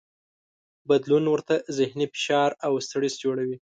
بدلون ورته ذهني فشار او سټرس جوړوي.